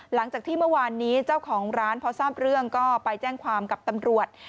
หลังจากที่เมื่อวานนี้เจ้าของร้านพอทราบเรื่องก็ไปแจ้งความกับตำรวจ